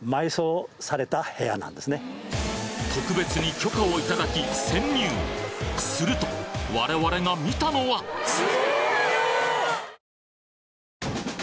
特別に許可をいただき潜入すると我々が見たのは石室？